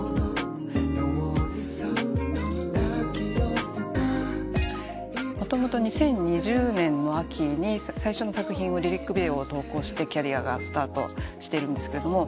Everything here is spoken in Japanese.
もともと２０２０年の秋に最初の作品をリリックビデオを投稿してキャリアがスタートしてるんです。